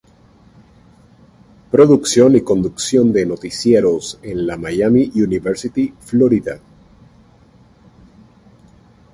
Producción y conducción de noticieros en la Miami University, Florida.